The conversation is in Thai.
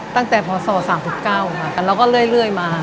ตั้งแต่พศ๓๙แล้วก็เรื่อยมา